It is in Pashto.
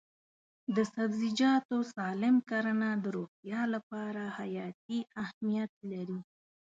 د سبزیجاتو سالم کرنه د روغتیا لپاره حیاتي اهمیت لري.